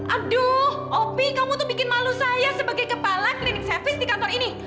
aduh opi kamu tuh bikin malu saya sebagai kepala clinik service di kantor ini